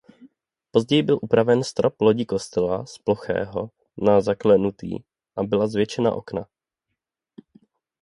Později byl upraven strop lodi kostela z plochého na zaklenutý a byla zvětšena okna.